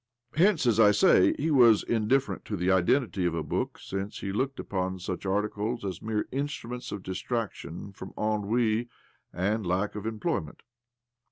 'Hence, as I say, he was indifferent to the identity of a book, since he looked uppn 10 І4б OBLOMOV such articles as mere instruments of dis traction from ennui and lack of .employment.